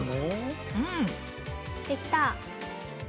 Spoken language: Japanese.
できた！